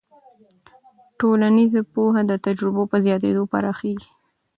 ټولنیز پوهه د تجربو په زیاتېدو پراخېږي.